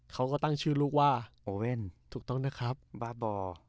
เขาก็ตั้งชื่อลูกว่าโอเว่นถูกต้องนะครับบาบอร์